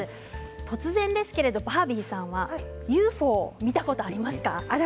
突然ですがバービーさんはＵＦＯを見たことありますか。